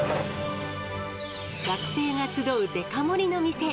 学生が集うデカ盛りの店。